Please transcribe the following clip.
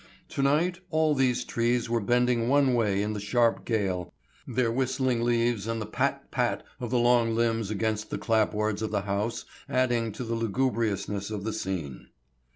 To night all these trees were bending one way in the sharp gale, their whistling leaves and the pat, pat of the long limbs against the clap boards of the house adding to the lugubriousness of the scene.